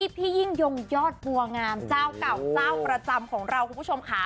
พี่ยิ่งยงยอดบัวงามเจ้าเก่าเจ้าประจำของเราคุณผู้ชมค่ะ